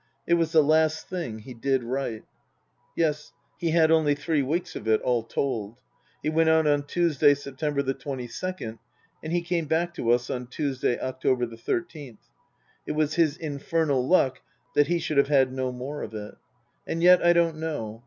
It was the last thing he did write. Yes : he had only three weeks of it, all told. He went out on Tuesday, September the twenty second, and he came back on Tuesday, October the thirteenth. It was his infernal luck that he should have had no more of it. And yet, I don't know.